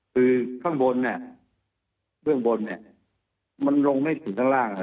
คือข้างบนเนี่ยเบื้องบนเนี่ยมันลงไม่ถึงข้างล่าง